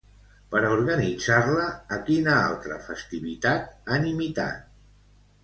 Per a organitzar-la, a quina altra festivitat han imitat?